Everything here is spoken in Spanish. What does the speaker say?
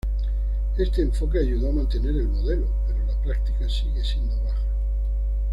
Este enfoque ayudó a mantener el modelo, pero la práctica sigue siendo baja.